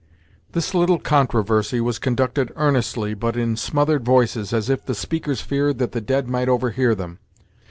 This little controversy was conducted earnestly, but in smothered voices, as if the speakers feared that the dead might overhear them.